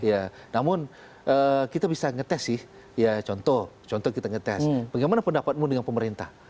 ya namun kita bisa ngetes sih ya contoh contoh kita ngetes bagaimana pendapatmu dengan pemerintah